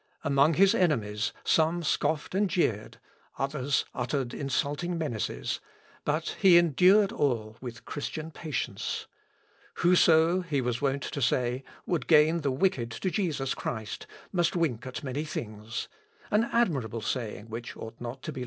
Among his enemies, some scoffed and jeered; others uttered insulting menaces, but he endured all with Christian patience. "Whoso," he was wont to say, "would gain the wicked to Jesus Christ must wink at many things," an admirable saying which ought not to be lost sight of.